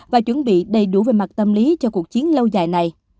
và chuẩn bị đầy đủ về mặt tâm lý cho cuộc chiến lâu dài này